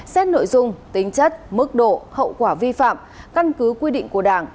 xét nội dung tính chất mức độ hậu quả vi phạm căn cứ quy định của đảng